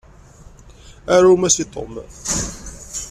Arum-as i Tom!